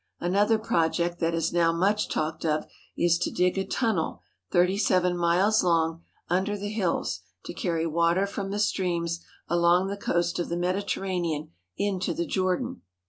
Another project that is now much talked of is to dig a tunnel thirty seven miles long under the hills to carry water from the streams along the coast of the Mediter ranean into the Jordan.